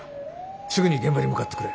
すぐに現場に向かってくれ。